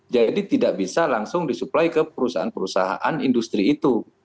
jadi tidak bisa langsung disuplai ke perusahaan perusahaan industri itu